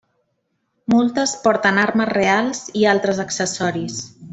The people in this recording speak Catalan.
Moltes porten armes reals i altres accessoris.